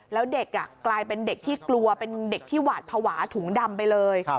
แล้วเด็กกลายเป็นเด็กที่กลัวเป็นเด็กที่หวาดภาวะถุงดำไปเลย